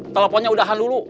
teleponnya udahan dulu